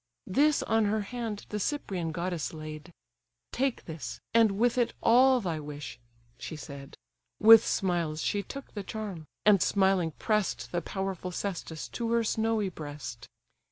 This on her hand the Cyprian Goddess laid: "Take this, and with it all thy wish;" she said. With smiles she took the charm; and smiling press'd The powerful cestus to her snowy breast.